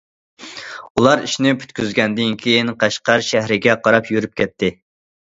ئۇلار ئىشنى پۈتكۈزگەندىن كېيىن قەشقەر شەھىرىگە قاراپ يۈرۈپ كەتتى.